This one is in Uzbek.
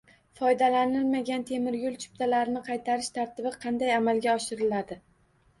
Foydalanilmagan temir yo‘l chiptalarini qaytarish tartibi qanday amalga oshiriladi?